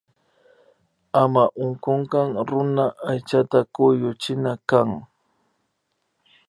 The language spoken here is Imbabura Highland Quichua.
Ama unkunkak runa aychata kuyuchina kan